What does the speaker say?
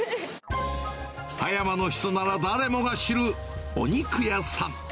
葉山の人なら誰もが知るお肉屋さん。